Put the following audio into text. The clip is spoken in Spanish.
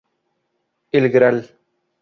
El gral.